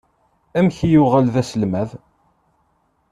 Amek i yuɣal d aselmad?